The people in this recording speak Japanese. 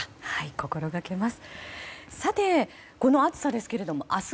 心がけます。